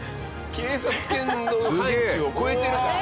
警察犬の範疇を超えてるから。